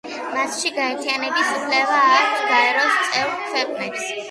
მასში გაერთიანების უფლება აქვთ გაეროს წევრ ქვეყნებს.